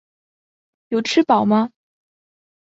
有吃饱吗？